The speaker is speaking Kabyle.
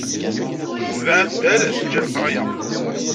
Tetbeɛ addal, teǧǧa leqraya.